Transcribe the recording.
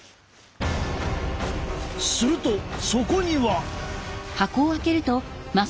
するとそこには。